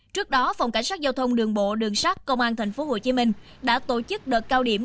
trước đó phòng cảnh sát giao thông đường bộ đường sát công an tp hcm đã tổ chức đợt cao điểm